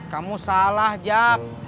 kamu salah jak